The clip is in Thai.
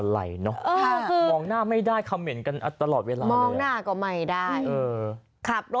ต้องทำยังไงหรอ